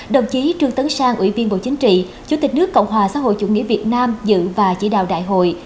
đồng chí trương tấn sang ủy viên bộ chính trị chủ tịch nước cộng hòa xã hội chủ nghĩa việt nam dự và chỉ đạo đại hội